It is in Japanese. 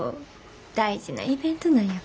大事なイベントなんやから。